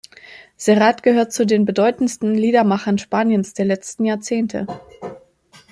Serrat gehört zu den bedeutendsten Liedermachern Spaniens der letzten Jahrzehnte.